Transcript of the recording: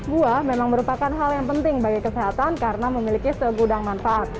buah memang merupakan hal yang penting bagi kesehatan karena memiliki segudang manfaat